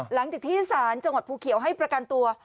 หลังจากที่สารจังหวัดภูเขียวให้ประกันตัว